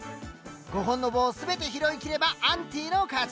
５本の棒を全て拾い切ればアンティの勝ち。